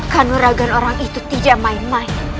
kanuragan orang itu tidak main main